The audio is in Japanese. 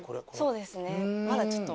そうですねまだちょっと。